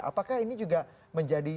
apakah ini juga menjadikan